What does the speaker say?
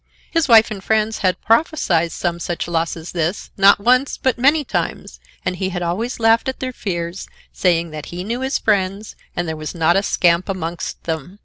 His wife and friends had prophesied some such loss as this, not once, but many times, and he had always laughed at their fears, saying that he knew his friends, and there was not a scamp amongst them.